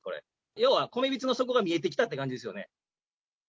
要は、米びつの底が見えてきたっていう感じですよね。